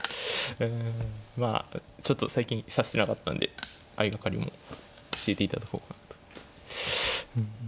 うんまあちょっと最近指してなかったんで相掛かりも教えていただこうかと思って。